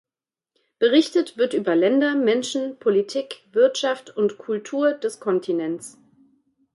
Berichtet wird über Länder, Menschen, Politik, Wirtschaft und Kultur des Kontinents.